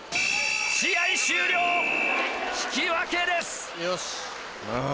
試合終了引き分けです。